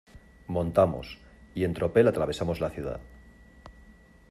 montamos, y en tropel atravesamos la ciudad.